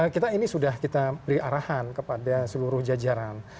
kita ini sudah kita beri arahan kepada seluruh jajaran